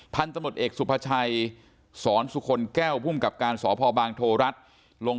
ท่านตำรวจเอกสุภาชัยสอนสุขลแก้วพุ่มกับการสอบพภโทรัฐลง